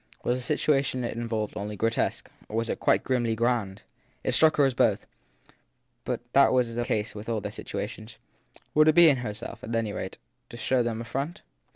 Was the situation it involved only grotesque or was it quite grimly grand ? It struck her as both ; but that was the case with all their situations. Would THE THIRD PERSON 265 it be in herself, at any rate, to show such a front